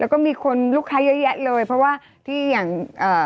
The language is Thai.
แล้วก็มีคนลูกค้าเยอะแยะเลยเพราะว่าที่อย่างเอ่อ